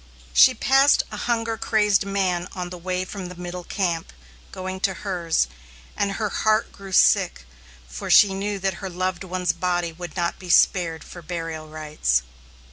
She passed a hunger crazed man on the way from the middle camp, going to hers, and her heart grew sick, for she knew that her loved one's body would not be spared for burial rites.